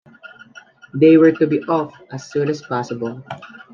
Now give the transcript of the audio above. They were to be off as soon as possible.